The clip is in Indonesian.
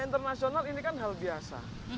internasional ini kan hal biasa